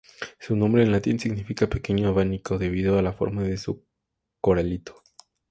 Su nombre en latín significa pequeño abanico, debido a la forma de su coralito.